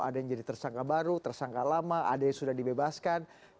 ada yang jadi tersangka baru tersangka lama ada yang sudah dibebaskan